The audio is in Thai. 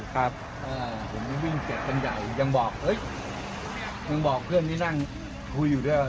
ครับผมวิ่งเก็บกันใหญ่ยังบอกเฮ้ยยังบอกเพื่อนที่นั่งคุยอยู่ด้วย